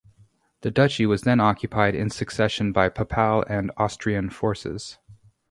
The duchy was then occupied in succession by Papal and Austrian forces.